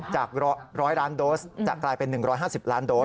จาก๑๐๐ล้านโดสจะกลายเป็น๑๕๐ล้านโดส